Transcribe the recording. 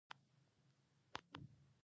خو چې کله بلوغ ته ورسېږي لکه د مرغۍ بچي.